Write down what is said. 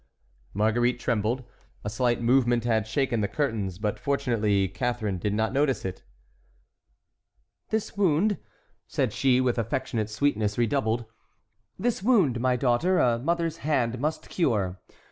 Marguerite trembled: a slight movement had shaken the curtains; but fortunately Catharine did not notice it. "This wound," said she with affectionate sweetness redoubled, "this wound, my daughter, a mother's hand must cure.